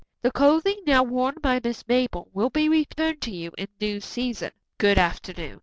The clothing now worn by Miss Mabel will be returned to you in due season. Good afternoon."